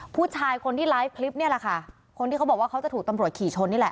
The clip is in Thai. ผู้ชายคนที่ไลฟ์คลิปนี่แหละค่ะคนที่เขาบอกว่าเขาจะถูกตำรวจขี่ชนนี่แหละ